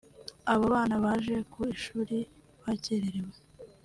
Aba bana baje ku ishuri bakererewe